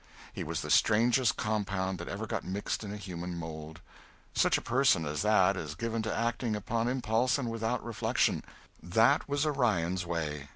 He was the strangest compound that ever got mixed in a human mould. Such a person as that is given to acting upon impulse and without reflection; that was Orion's way.